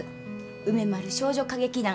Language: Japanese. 梅丸少女歌劇団